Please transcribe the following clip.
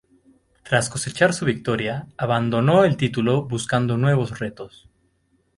Tras cosechar su victoria, abandonó el título buscando nuevos retos.